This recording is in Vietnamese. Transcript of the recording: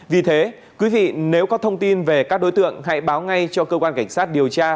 vì thế quý vị nếu có thông tin về các đối tượng hãy báo ngay cho cơ quan cảnh sát điều tra